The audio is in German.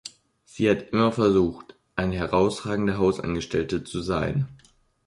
Sie hat immer versucht, eine herausragende Hausangestellte zu sein.